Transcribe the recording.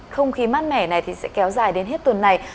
không khí mát mẻ sẽ kéo dài đến hết tuần này